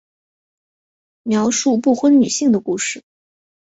描述不婚女性的故事。